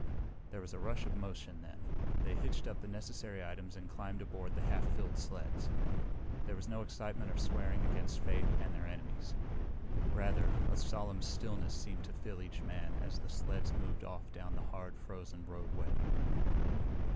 There was a rush of motion then. They hitched up the necessary teams and climbed aboard the half filled sleds. There was no excitement or swearing against fate and their enemies. Rather, a solemn stillness seemed to fill each man as the sleds moved off down the hard, frozen roadway.